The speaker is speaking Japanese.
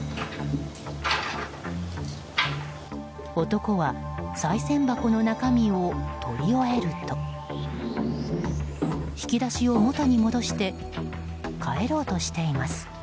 男は、さい銭箱の中身を取り終えると引き出しを元に戻して帰ろうとしています。